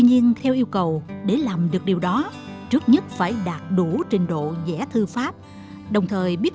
nhiên theo yêu cầu để làm được điều đó trước nhất phải đạt đủ trình độ dẻ thư pháp đồng thời biết